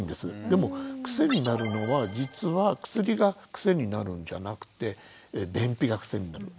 でも癖になるのは実は薬が癖になるんじゃなくて便秘が癖になる。